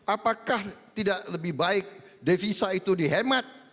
apakah tidak lebih baik devisa itu dihemat